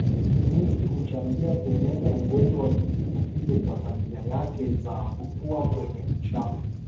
Nzi huchangia kueneza ugonjwa wa kipindupindu kwa tabia yake za kutua kwenye uchafu